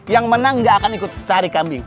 yang menang gak akan ikut cari kambing